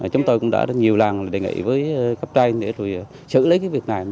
chúng tôi cũng đã nhiều lần đề nghị với cấp tranh để rồi xử lý cái việc này